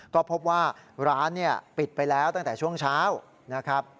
ก็พบว่าร้านปิดไปแล้วตั้งแต่ช่วงเช้านะครับ